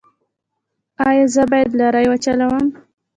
ایا زه باید لارۍ وچلوم؟